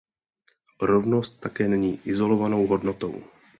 Rovnost také není izolovanou hodnotou.